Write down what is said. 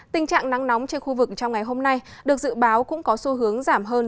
tình trạng nắng nóng trên khu vực trong ngày hôm nay được dự báo cũng có xu hướng giảm hơn